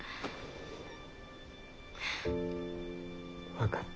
分かった。